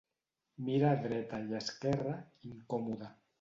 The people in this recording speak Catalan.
Mira a dreta i a esquerra, incòmode.